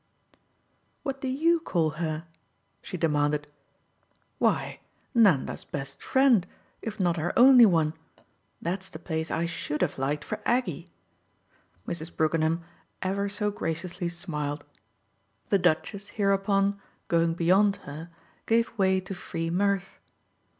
"What do YOU call her?" she demanded. "Why Nanda's best friend if not her only one. That's the place I SHOULD have liked for Aggie," Mrs. Brookenham ever so graciously smiled. The Duchess hereupon, going beyond her, gave way to free mirth.